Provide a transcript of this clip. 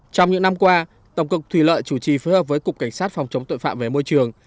trong những năm qua tổng cục thủy lợi chủ trì phối hợp với cục cảnh sát phòng chống tội phạm về môi trường